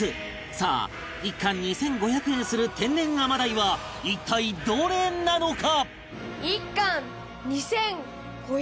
さあ１貫２５００円する天然アマダイは一体どれなのか？